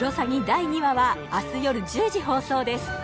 第２話は明日よる１０時放送です